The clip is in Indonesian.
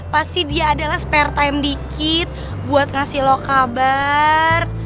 pasti dia adalah spare time dikit buat ngasih lo kabar